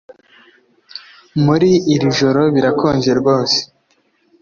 Muri iri joro birakonje rwose